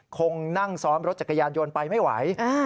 คงนั่งซ้อนรถจักรยานยนต์ไปไม่ไหว